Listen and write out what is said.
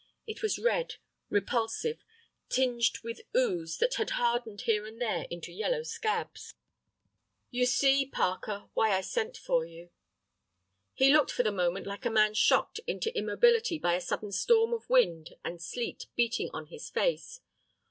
It was red, repulsive, tinged with an ooze that had hardened here and there into yellow scabs. "You see, Parker, why I sent for you." He looked for the moment like a man shocked into immobility by a sudden storm of wind and sleet beating on his face.